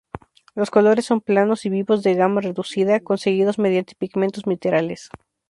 Los colores son planos y vivos, de gama reducida, conseguidos mediante pigmentos minerales.